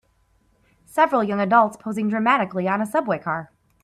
Several young adults posing dramatically on a subway car.